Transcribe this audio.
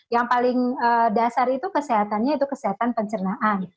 yang paling dasar itu kesehatannya itu kesehatan pencernaan